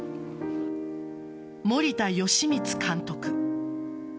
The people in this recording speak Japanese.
森田芳光監督。